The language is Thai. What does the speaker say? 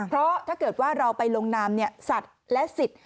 เพราะถ้าเกิดว่าเราไปลงนามสัตว์และสิทธิ์